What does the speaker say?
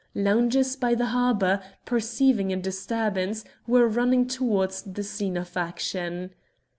Loungers by the harbour, perceiving a disturbance, were running towards the scene of action.